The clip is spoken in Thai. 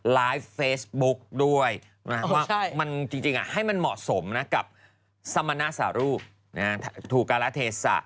ไลฟ์เฟซบุ๊กด้วยว่าจริงให้มันเหมาะสมนะกับสมณสารูปถูกการะเทศะ